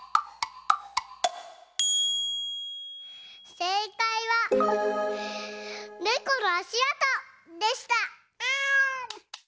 せいかいは「ネコのあしあと」でした！